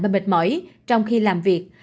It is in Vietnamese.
và mệt mỏi trong khi làm việc